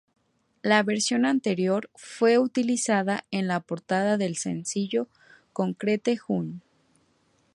La versión anterior fue utilizada en la portada del sencillo "Concrete Jungle".